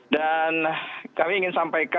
dan kami ingin sampaikan